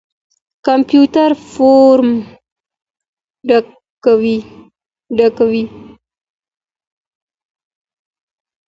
کمپيوټر فورم ډکوي.